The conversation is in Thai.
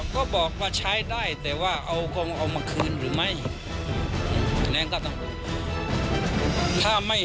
ก็บอกว่าใช้ได้แต่ว่าเอาของมาคืนหรือไม่